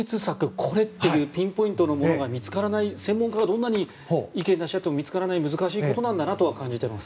これっていうピンポイントのものが見つからない専門家がどんなに意見を出し合っても見つからない難しいことなんだなとは感じています。